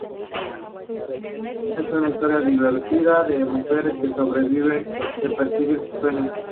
Es una historia divertida de mujeres que sobreviven, que persiguen sus sueños.